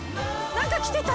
何かきてた。